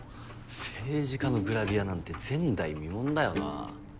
政治家のグラビアなんて前代未聞だよな。